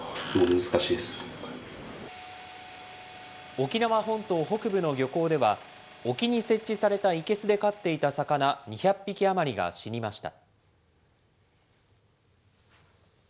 沖縄本島北部の漁港では、沖に設置された生けすで飼っていた魚２００匹余りが死にました。